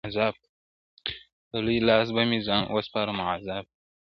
په لوی لاس به مي ځان وسپارم عذاب ته.!